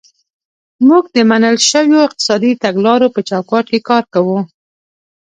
موږ د منل شویو اقتصادي تګلارو په چوکاټ کې کار کوو.